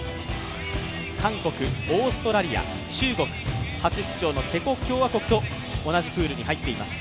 韓国、オーストラリア、中国、初出場のチェコ共和国と同じプールに入っています。